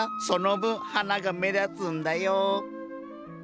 その分花が目立つんだよ。